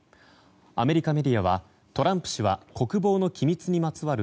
アメリカメディアはトランプ氏は国防の機密にまつわる